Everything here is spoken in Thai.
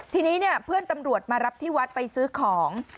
ทีนี้เนี่ยเพื่อนตำรวจมารับที่วัดไปซื้อของ